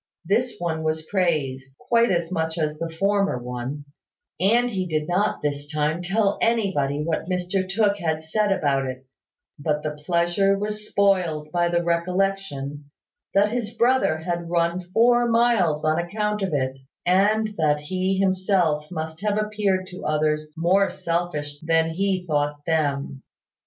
This one was praised, quite as much as the former one: and he did not this time tell anybody what Mr Tooke had said about it: but the pleasure was spoiled by the recollection that his brother had run four miles on account of it, and that he himself must have appeared to others more selfish than he thought them.